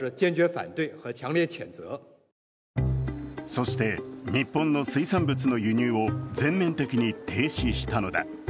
そして、日本の水産物の輸入を全面的に停止したのだ。